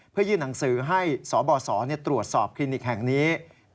เพื่อยื่นหนังสือให้สบสตรวจสอบคลินิกแห่งนี้